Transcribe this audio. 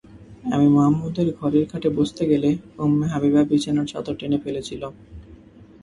আমি মুহাম্মাদের ঘরের খাটে বসতে গেলে উম্মে হাবীবা বিছানার চাদর টেনে ফেলেছিল।